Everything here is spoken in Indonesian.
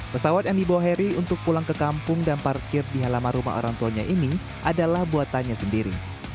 pesawat yang dibawa heri untuk pulang ke kampung dan parkir di halaman rumah orang tuanya ini adalah buatannya sendiri